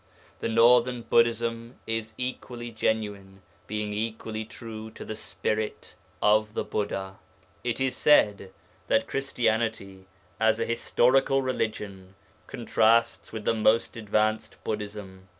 The northern Buddhism is equally 'genuine,' being equally true to the spirit of the Buddha. It is said that Christianity, as a historical religion, contrasts with the most advanced Buddhism.